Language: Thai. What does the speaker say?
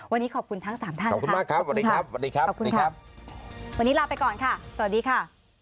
วันนี้ขอบคุณทั้ง๓ท่านขอบคุณมากครับวันนี้ลาไปก่อนค่ะสวัสดีค่ะ